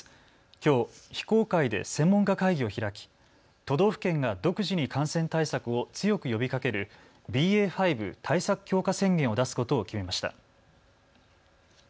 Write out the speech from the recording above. きょう非公開で専門家会議を開き都道府県が独自に感染対策を強く呼びかけるＢＡ．５対策強化宣言を出すことを決めました。